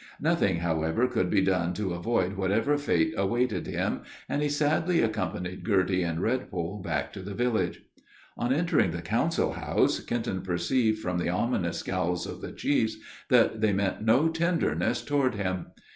Nothing, however, could be done, to avoid whatever fate awaited him, and he sadly accompanied Girty and Redpole back to the village. On entering the council house, Kenton perceived from the ominous scowls of the chiefs, that they meant no tenderness toward him.